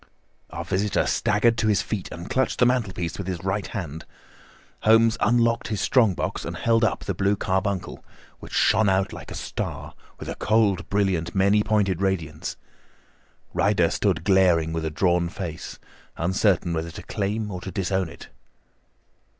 Our visitor staggered to his feet and clutched the mantelpiece with his right hand. Holmes unlocked his strong box and held up the blue carbuncle, which shone out like a star, with a cold, brilliant, many pointed radiance. Ryder stood glaring with a drawn face, uncertain whether to claim or to disown it.